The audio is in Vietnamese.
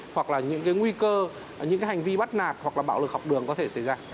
hoặc là những cái nguy cơ những hành vi bắt nạt hoặc là bạo lực học đường có thể xảy ra